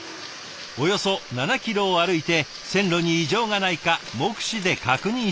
およそ７キロを歩いて線路に異常がないか目視で確認していきます。